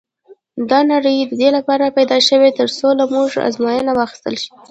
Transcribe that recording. دا نړۍ د دې لپاره پيدا شوې تر څو له موږ ازموینه واخیستل شي.